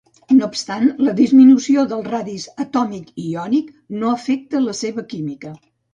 No obstant, la disminució dels radis atòmic i iònic no afecta la seva química.